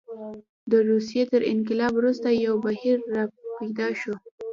د روسیې تر انقلاب وروسته یو بهیر راپیدا شو.